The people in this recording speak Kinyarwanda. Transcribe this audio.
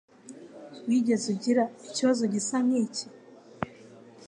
Wigeze ugira ikibazo gisa nkiki?